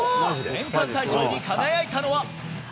年間大賞に輝いたのは。